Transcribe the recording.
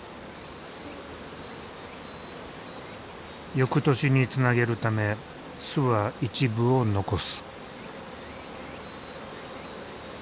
翌年につなげるため巣は一部を残す。